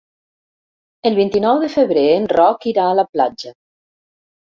El vint-i-nou de febrer en Roc irà a la platja.